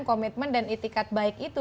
komitmen dan itikat baik itu